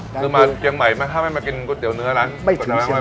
คือมาเกียงใหม่ไม่ทราบให้มากินก๋วยเตี๋ยวเนื้อร้านไม่ถึงไม่ถึงเลย